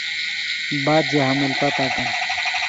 بعد ژے حمل پتاکن